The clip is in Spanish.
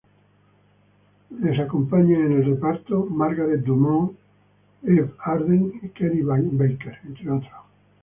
Les acompañan en el reparto Margaret Dumont, Eve Arden y Kenny Baker, entre otros.